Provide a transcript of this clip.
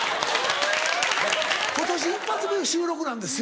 今年１発目の収録なんですよ。